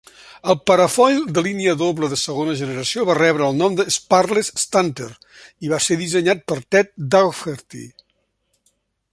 El parafoil de línia doble de segona generació va rebre el nom d'"Sparless Stunter" i va ser dissenyat per Ted Dougherty.